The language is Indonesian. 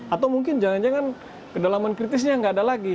atau mungkin jangan jangan kedalaman kritisnya nggak ada lagi